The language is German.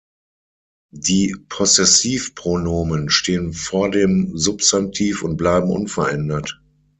Die Possessivpronomen stehen vor dem Substantiv und bleiben unverändert.